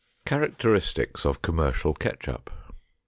CHARACTERISTICS OF COMMERCIAL KETCHUP.